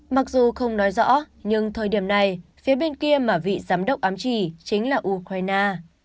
mặc dù không nói rõ nhưng thời điểm này phía bên kia mà vị giám đốc ám trì chính là ukraine